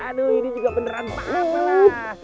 aduh ini juga beneran paham lah